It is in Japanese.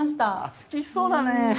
好きそうだね。